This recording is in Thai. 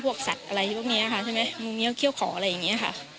พวกสัตว์อะไรพวกนี้มุมเงียวเคี่ยวขออะไรอย่างนี้